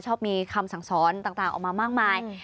ชอบมีคำสั่งสอนต่างออกมามากมาย